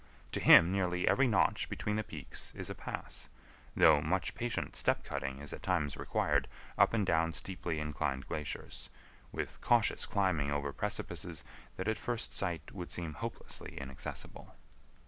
To him nearly every notch between the peaks is a pass, though much patient step cutting is at times required up and down steeply inclined glaciers, with cautious climbing over precipices that at first sight would seem hopelessly inaccessible.